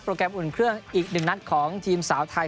แกรมอุ่นเครื่องอีกหนึ่งนัดของทีมสาวไทย